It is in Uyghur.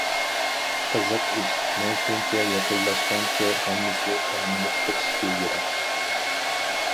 قىزىق ئىش مەن شۇنچە يېقىنلاشقانچە، ھەممىسى ئەيمىنىپ قېچىشتى يىراق.